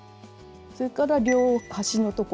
それから両端の所